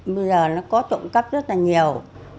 bây giờ nó có trộm cắp rất là nhiều